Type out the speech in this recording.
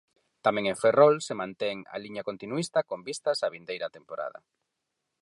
Tamén en Ferrol se mantén a liña continuísta con vistas á vindeira temporada.